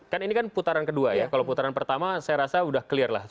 kan ini kan putaran kedua ya kalau putaran pertama saya rasa sudah clear lah